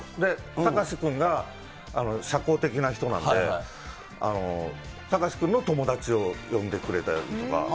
隆君が社交的な人なんで、隆君の友達を呼んでくれたりとか。